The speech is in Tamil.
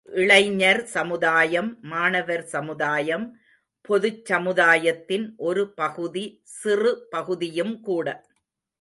இளைஞர் சமுதாயம், மாணவர் சமுதாயம், பொதுச் சமுதாயத்தின் ஒரு பகுதி சிறு பகுதியும் கூட.